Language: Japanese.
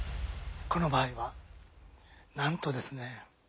この場合はなんとですね